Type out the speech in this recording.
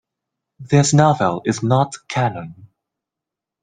This novel is not canon.